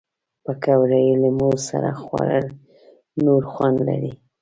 پکورې له مور سره خوړل نور خوند لري